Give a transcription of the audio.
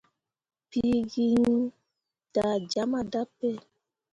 Piigi iŋ da jama dape.